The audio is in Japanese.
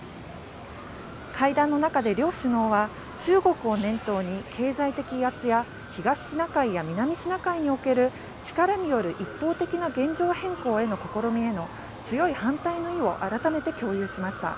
会談の中で両首脳は中国を念頭に経済的威圧や東シナ海や南シナ海における力による一方的な現状変更への試みへの強い反対の意を改めて共有しました。